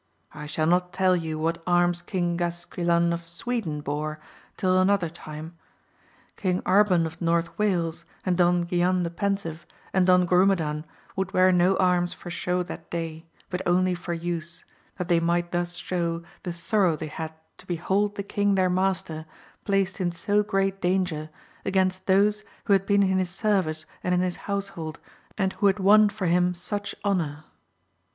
I shall not tell you what arms King Gasquilan of Sweden bore, till another time. King Arban of North Wales, and Don Guilan the Pensive, and Don Grumedan would wear no arms for show that day, but only for use, that they might thus show the sorrow they had to behold the king their master placed in so great danger against those who had been in his service and in his household, and who had won for him such honour.